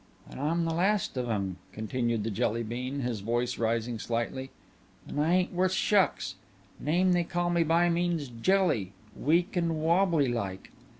"And I'm the last of 'em," continued the Jelly bean his voice rising slightly, "and I ain't worth shucks. Name they call me by means jelly weak and wobbly like.